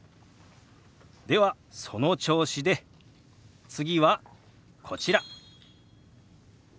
ではその調子で次はこちら。